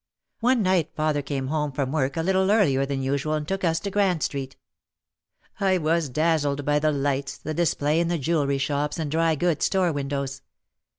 One night father came home from work a little earlier than usual and took us to Grand Street. I was dazzled by the lights, the display in the jewelry shops and dry goods store windows.